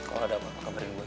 kalau ada apa kabarin gue aja